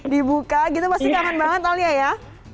dibuka gitu pasti kangen banget alia ya